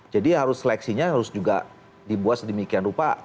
jadi harus seleksinya harus juga dibuat sedemikian rupa